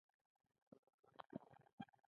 شېرګل د مينې په اړه فکر وکړ.